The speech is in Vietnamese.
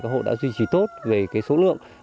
các hộ đã duy trì tốt về số lượng